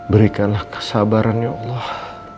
berikanlah kesabaran ya allah